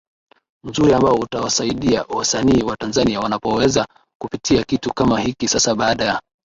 mzuri ambao utawasaidia wasanii wa Tanzania wanapowekeza kupitia kitu kama hiki Sasa baada ya